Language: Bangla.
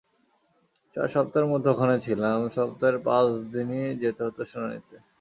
চার সপ্তাহের মতো ওখানে ছিলাম, সপ্তাহের পাঁচ দিনই যেতে হতো শুনানিতে।